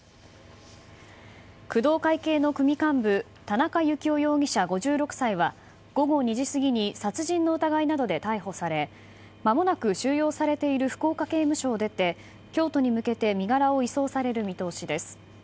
工藤会系の組幹部田中幸雄容疑者、５６歳は午後２時過ぎに殺人の疑いなどで逮捕されまもなく収容されている福岡刑務所を出て京都に向けて身柄を移送される見通しです。